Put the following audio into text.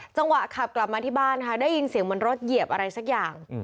จังหวะขับกลับมาที่บ้านค่ะได้ยินเสียงเหมือนรถเหยียบอะไรสักอย่าง